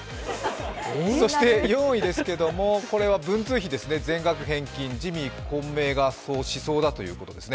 そして４位ですけれども、文通費ですね、全額返金を自民混迷がしそうだということですね。